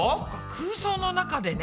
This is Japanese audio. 空想の中でね。